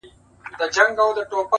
بېرته که امکان لري، راشه زندګۍ ته مې